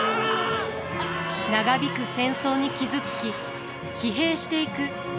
長引く戦争に傷つき疲弊していく家臣たち。